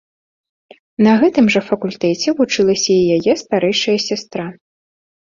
На гэтым жа факультэце вучылася і яе старэйшая сястра.